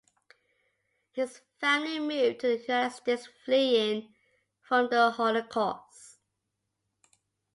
His family moved to the United States fleeing from the Holocaust.